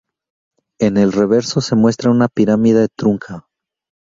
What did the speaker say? En el reverso se muestra una pirámide trunca.